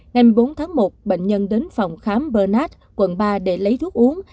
ngày một mươi bốn tháng một bệnh nhân đến phòng khám bernard quận ba để lấy thuốc uống